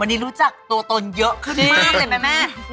วันนี้รู้จักตัวตนเยอะขึ้นมากเลยไหมแม่